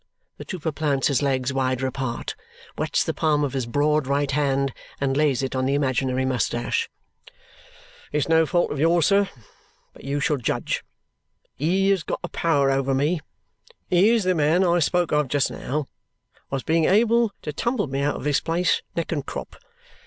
The trooper plants his legs wider apart, wets the palm of his broad right hand, and lays it on the imaginary moustache. "It's no fault of yours, sir; but you shall judge. He has got a power over me. He is the man I spoke of just now as being able to tumble me out of this place neck and crop.